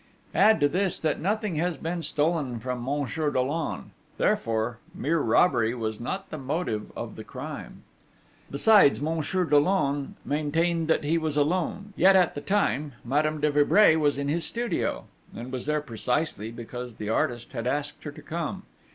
Add to this that nothing has been stolen from Monsieur Dollon: therefore, mere robbery was not the motive of the crime. Besides, Monsieur Dollon maintained that he was alone; yet at that time Madame de Vibray was in his studio, and was there precisely because the artist himself had asked her to come.